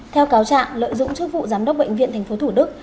theo cáo trạng lợi dụng chức vụ giám đốc bệnh viện tp thủ đức